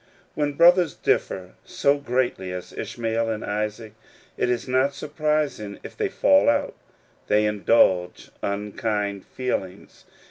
HEN brothers differ so greatly as Ish mael and Isaac, it is not surprising if they fall out, and indulge unkind feel ings.